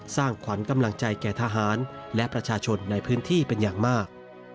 สร้างขวัญกำลังใจแก่ทหารและประชาชนในพื้นที่เป็นอย่างมาก